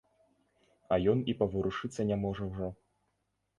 А ён і паварушыцца не можа ўжо.